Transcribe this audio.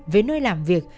với nơi làm việc